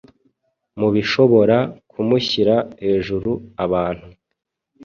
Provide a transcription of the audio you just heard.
Mubishobora kumushyira hejuru abantu